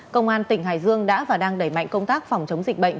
công an tỉnh hải dương đã và đang đẩy mạnh công tác phòng chống dịch bệnh